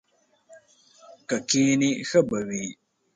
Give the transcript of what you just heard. که کښېنې ښه به وي!